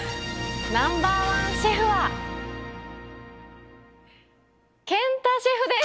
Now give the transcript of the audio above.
ナンバーワンシェフはけんたシェフです！